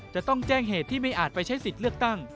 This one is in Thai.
จะต้องแจ้งเหตุที่ไม่อาจไปใช้สิทธิ์เลือกตั้ง